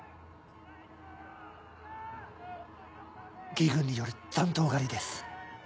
魏軍による残党狩りです。